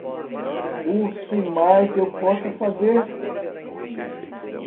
O que mais eu posso fazer?